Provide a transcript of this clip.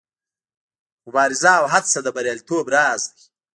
مبارزه او هڅه د بریالیتوب راز دی.